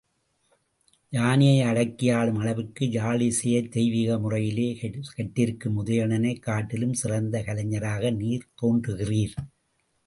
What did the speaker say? யானையை அடக்கியாளும் அளவிற்கு யாழிசையைத் தெய்வீக முறையிலே கற்றிருக்கும் உதயணனைக் காட்டிலும் சிறந்த கலைஞராக நீர் தோன்றுகிறீர்.